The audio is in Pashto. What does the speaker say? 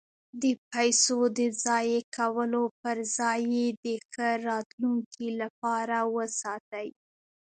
د پیسو د ضایع کولو پرځای یې د ښه راتلونکي لپاره وساتئ.